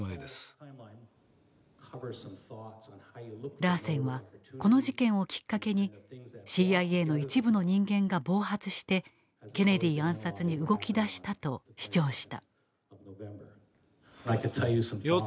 ラーセンはこの事件をきっかけにＣＩＡの一部の人間が暴発してケネディ暗殺に動きだしたと主張した。